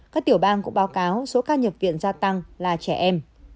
các tiểu bang cũng báo cáo số ca nhập viện gia tăng là trẻ em